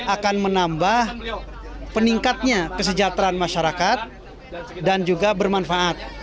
akan menambah peningkatnya kesejahteraan masyarakat dan juga bermanfaat